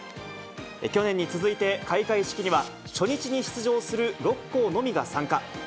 去年に続いて開会式には初日に出場する６校のみが参加。